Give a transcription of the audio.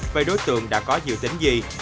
vậy đối tượng đã có dự tính gì